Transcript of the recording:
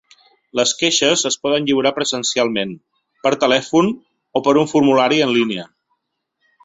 Les queixes es poden lliurar presencialment, per telèfon o per un formulari en línia.